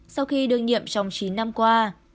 sau khi đương nhiệm trong chín năm qua